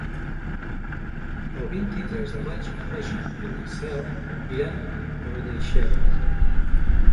El vint-i-tres de maig en Magí i na Cel iran a Benaixeve.